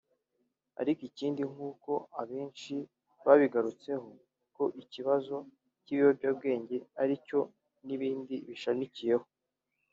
Ariko ikindi nk’uko abenshi babigarutseho ko ikibazo cy’ibiyobyabwenge ari cyo n’ibindi bishamikiyeho